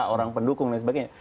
orang pendukung dan sebagainya